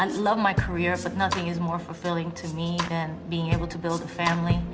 saya suka karir saya tapi tidak ada yang lebih memenuhi untuk saya daripada bisa membina keluarga